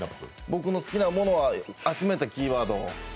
僕の好きなものを集めたキーワード。